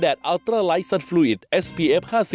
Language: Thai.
เดี๋ยวกลับมา